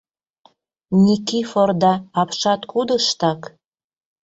Никифорда апшаткудыштак?